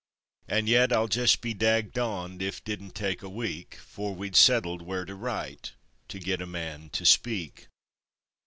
And yit, I'll jest be dagg don'd! ef didn't take a week 'Fore we'd settled where to write to git a man to speak!